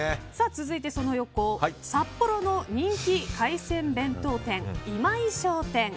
続いて、札幌の人気海鮮弁当店今井商店。